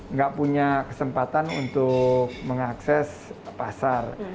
nggak punya kesempatan untuk mengakses pasar